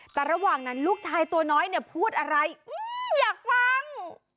แต่ระหว่างนั้นลูกชายตัวน้อยเนี่ยพูดอะไรอยากฟัง